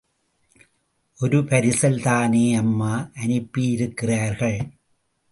ஒரு பரிசல் தானே அம்மா அனுப்பியிருக்கிறார்கள்!